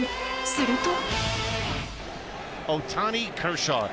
すると。